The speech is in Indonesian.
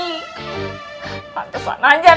tante sana aja